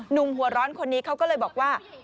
หนุ่มหัวร้อนคนนี้เขาก็เลยบอกว่า